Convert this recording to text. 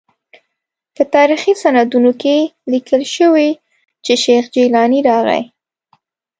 په تاریخي سندونو کې لیکل شوي چې شیخ جیلاني راغی.